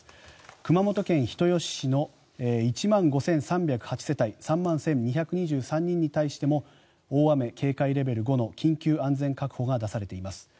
熊本県人吉市の１万５３０８世帯３万１２２３人に対しても大雨警戒レベル５の緊急安全確保が出されています。